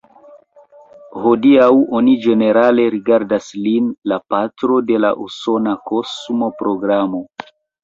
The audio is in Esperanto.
Hodiaŭ oni ĝenerale rigardas lin la patro de la usona kosma programo.